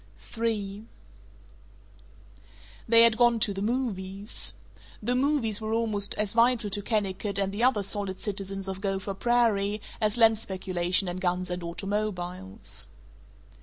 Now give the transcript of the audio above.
III They had gone to the "movies." The movies were almost as vital to Kennicott and the other solid citizens of Gopher Prairie as land speculation and guns and automobiles.